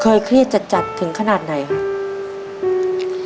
เคยเครียดจัดจัดถึงขนาดไหนคะ